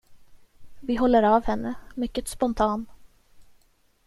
Vi håller av henne, mycket spontan.